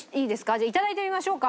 じゃあいただいてみましょうか。